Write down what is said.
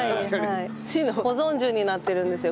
市の保存樹になってるんですよ。